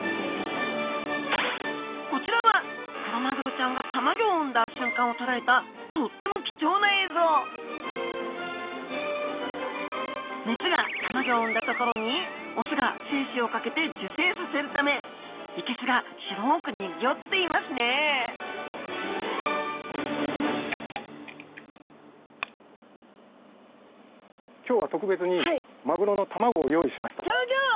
こちらはクロマグロちゃんがたまギョを産んだ瞬間を捉えたとっても貴重な映像メスがたまギョを産んだところにオスが精子をかけて受精させるためいけすが白く濁っていますね今日は特別にギョギョッ！